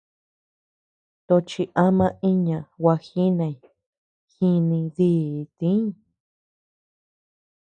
Tochi ama iña gua jínay, jíni díi tíñ.